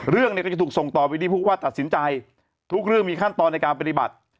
เรื่องเนี่ยก็จะถูกส่งต่อไปที่ผู้ว่าตัดสินใจทุกเรื่องมีขั้นตอนในการปฏิบัติ